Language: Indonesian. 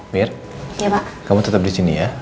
mir kamu tetap disini ya